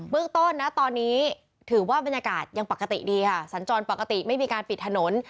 เรื่องต้นนะตอนนี้ถือว่าบรรยากาศยังปกติดีค่ะสัญจรปกติไม่มีการปิดถนน